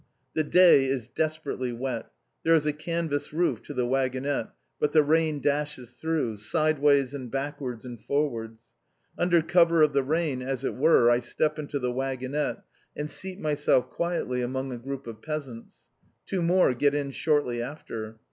The day is desperately wet. There is a canvas roof to the waggonette, but the rain dashes through, sideways, and backwards and forwards. Under cover of the rain as it were, I step into the waggonette, and seat myself quietly among a group of peasants. Two more get in shortly after.